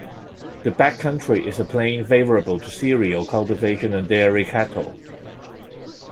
The back country is a plain, favourable to cereal cultivation and dairy cattle.